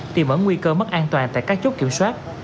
tìm mở nguy cơ mất an toàn tại các chốt kiểm soát